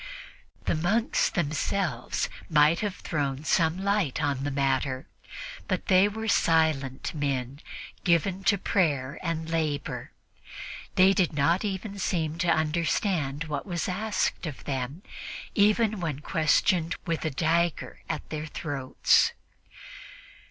The monks themselves might have thrown some light upon the matter, but they were silent men, given to prayer and labor; they did not seem to understand what was asked of them, even when questioned with a dagger at their throats.